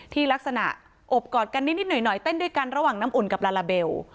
ที่ลักษณะอบกอดกันนิดหน่อยเต้นด้วยกันระหว่างน้ำอุ่นกับลาลาเบล